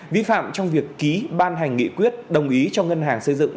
vi phạm trong việc ký ban hành nghị quyết đồng ý cho ngân hàng xây dựng